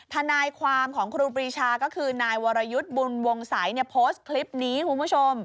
ทนายความของครูปรีชาก็คือนายวรยุทธ์บุญวงศัยโพสต์คลิปนี้คุณผู้ชม